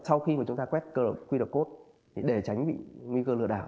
sau khi mà chúng ta quét qr code để tránh bị nguy cơ lừa đảo